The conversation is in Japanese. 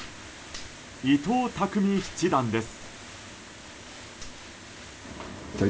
伊藤匠七段です。